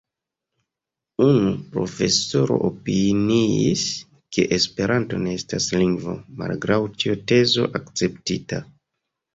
Unu profesoro opiniis, ke Esperanto ne estas lingvo, malgraŭ tio tezo akceptita.